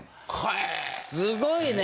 すごいね！